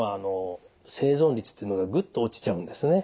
生存率っていうのがグッと落ちちゃうんですね。